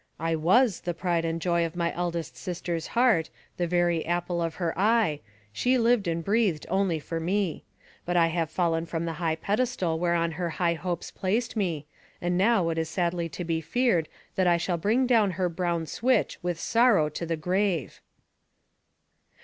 " I was the pride and joy of my eldest sister's heart, the very apple of her eye, she lived and breathed only for me ; but I have fallen from the high pedestal whereon her high hopes placed me, and now it is sadl}' to be feared that I shall bring down her brown switch with sorrow to the grave."